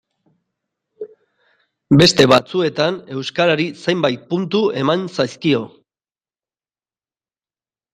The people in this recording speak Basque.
Beste batzuetan euskarari zenbait puntu eman zaizkio.